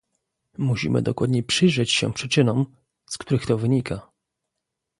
Musimy dokładnie przyjrzeć się przyczynom, z których to wynika